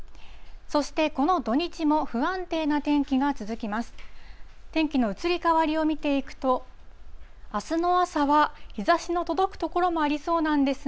そしてこの土日も不安定な天気が続きます。